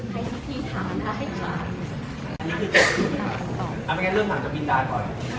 ให้ชิคกี้พายถามนะให้จ๋าอันนี้คือเอาไงเริ่มถามกับวินดาร์ก่อน